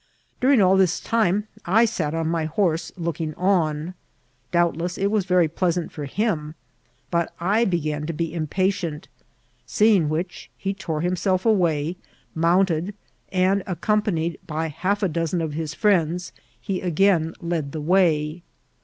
During all tiiis time I sat on my horse looking on. Doubtless it was very pleasant for him, but I began to be impa tient; seeing which, he tore himself away, mounted, and| accompanied by half a dozen of his friends, he TRATXLLIMO KM B ARR A 8 8 MX NT 8. 355 again led the way.